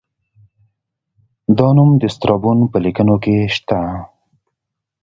دا نوم د سترابون په لیکنو کې شته